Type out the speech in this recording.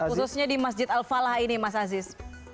khususnya di masjid al falah ini mas aziz